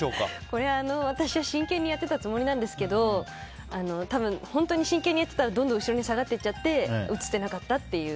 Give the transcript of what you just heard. これは私は真剣にやっていたつもりなんですけど多分、本当に真剣にやってたらどんどん後ろに下がっていっちゃって映ってなかったっていう。